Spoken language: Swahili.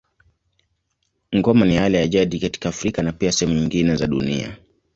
Ngoma ni ala ya jadi katika Afrika na pia sehemu nyingine za dunia.